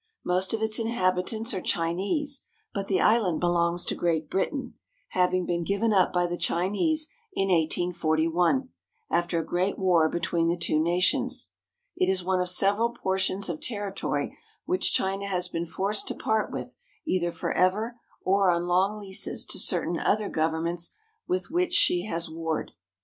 Most of its in habitants are Chinese, but the island belongs to Great FOREIGN COLONIES IN CHINA 177 Britain, having been given up by the Chinese in 1841, after a great war between the two nations. It is one of several portions of territory which China has been forced to part with either forever or on long leases to certain other governments with which she has warred.